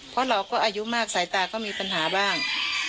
เพราะเราก็อายุมากสายตาก็มีปัญหาบ้าง